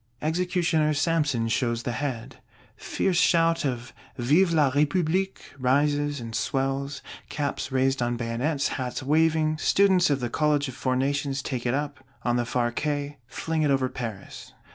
Executioner Samson shows the Head: fierce shout of Vive la République rises, and swells; caps raised on bayonets, hats waving: students of the College of Four Nations take it up, on the far Quais; fling it over Paris.